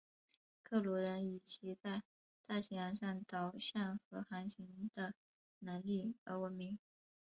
克鲁人以其在大西洋上导向和航行的能力而闻名。